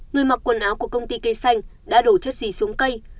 người mặc quần áo của công ty cây xanh đã đổ chất gì xuống cây